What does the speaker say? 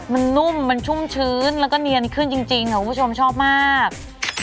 มันนุ่มมันชุ่มชื้นแล้วก็เนียนขึ้นจริงคุณผู้ชมชอบมาก